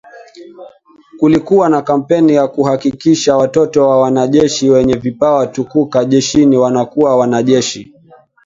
Kulikuwa na kampeni ya kuhakikisha Watoto wa wanajeshi wenye vipawa tukuka jeshini wanakuwa wanajeshi